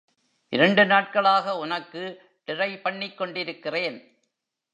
இரண்டு நாட்களாக உனக்கு டிரை பண்ணிக் கொண்டிருக்கிறேன்.